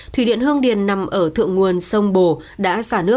thủy điện hương điền nằm ở thượng nguồn sông bồ